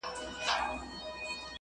سیوری د چایمه؟ ..